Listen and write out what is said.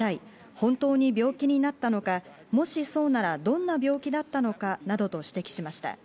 本当に病気になったのか、もしそうならどんな病気だったのかなどと指摘しました。